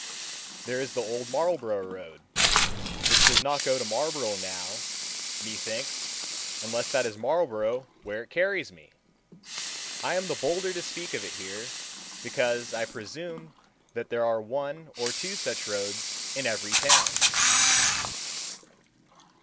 There is the Old Marlborough Road, which does not go to Marlborough now, methinks, unless that is Marlborough where it carries me. I am the bolder to speak of it here, because I presume that there are one or two such roads in every town.